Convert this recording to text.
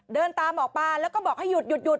เดินตามออกมาแล้วก็บอกให้หยุดหยุด